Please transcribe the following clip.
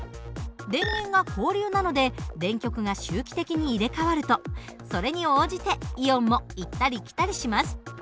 電源が交流なので電極が周期的に入れ代わるとそれに応じてイオンも行ったり来たりします。